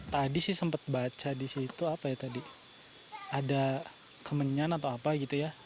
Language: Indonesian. tadi sih sempat baca di situ apa ya tadi ada kemenyan atau apa gitu ya